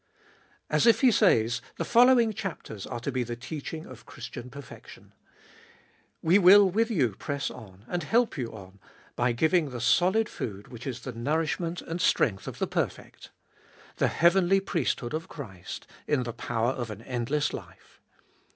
As if he says, The following chapters are to be the teaching of Christian perfection. We will with you press on, and help you on, by giving the solid food which is the nourishment and 206 Gbe Doliest ot ail strength of the perfect : the heavenly priesthood of Christ, in the power of an endless life.